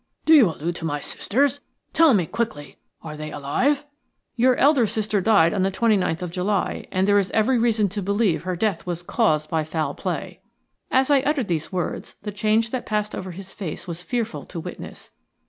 "Do you allude to my sisters? Tell me, quickly, are they alive?" "Your elder sister died on the 29th of July, and there is every reason to believe that her death was caused by foul play." As I uttered these words the change that passed over his face was fearful to witness.